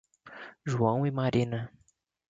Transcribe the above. João e Marina